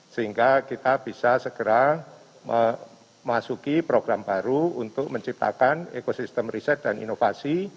sehingga kita bisa segera memasuki program baru untuk menciptakan ekosistem riset dan inovasi